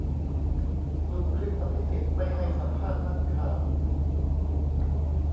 ดูคลิปอภิสิทธิ์ไม่ให้สัมภาษณ์นักข่าว